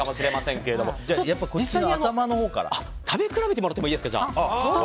実際に食べて比べてもらっていいですか。